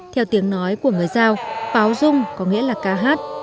theo tiếng nói của người giao báo dung có nghĩa là ca hát